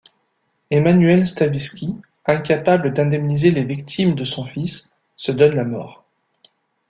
Emmanuel Stavisky, incapable d'indemniser les victimes de son fils, se donne la mort.